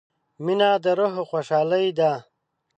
• مینه د روح خوشحالي ده.